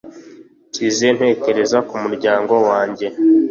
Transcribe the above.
nsize ntekereza ku murya ngowa njye